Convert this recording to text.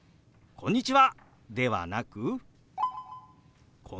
「こんにちは。